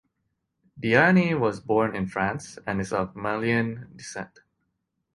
Diani was born in France and is of Malian descent.